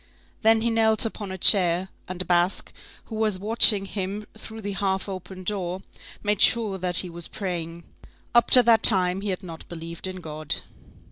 61 Then he knelt upon a chair, and Basque, who was watching him through the half open door, made sure that he was praying. Up to that time, he had not believed in God.